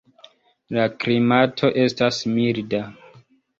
La klimato estas milda.